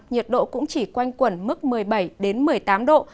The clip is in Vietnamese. nhiệt độ cũng chỉ quanh quẩn mức một mươi bảy một mươi tám độ